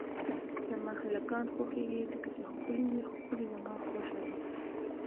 زما هلکان خوښیږی ځکه چی ښکلی وی ښکله زما خوشه ده